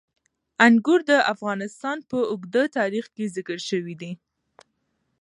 انګور د افغانستان په اوږده تاریخ کې ذکر شوی دی.